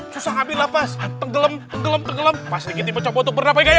susah ambil nafas tenggelam tenggelam tenggelam pasri kini mencoba untuk berapa ya